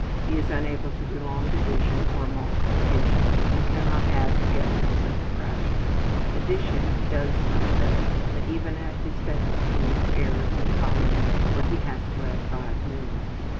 He is unable to do long division or multiplication, and cannot add together simple fractions. Addition he does much better, but even at his best he makes errors in columns where he has to add five numerals.